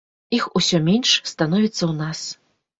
Іх усё менш становіцца ў нас.